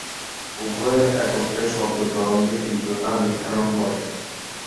উভয়ে একত্রে শব্দ তরঙ্গের তীব্রতা নির্ধারণ করে।